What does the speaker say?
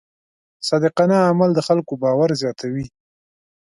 صادقانه عمل د خلکو باور زیاتوي.